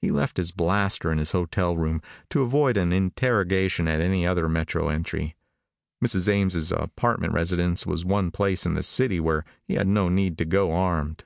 He left his blaster in his hotel room, to avoid an interrogation at any other metro entry. Mrs. Ames' apartment residence was one place in the city where he had no need to go armed.